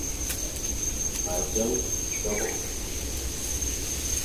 Ma dzeng sôbô.